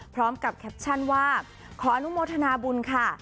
พร้อมกับแคปชั่นว่าขออนุโมทนาบุญค่ะ